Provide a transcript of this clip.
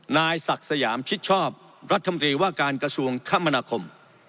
นายศักดิ์สยามชิดชอบรัฐมนตรีว่าการกระทรวงคมนาคม